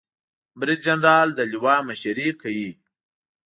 بریدجنرال د لوا مشري کوي